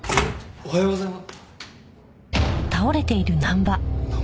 おはようございます。